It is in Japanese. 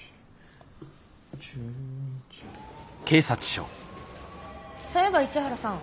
そういえば市原さん。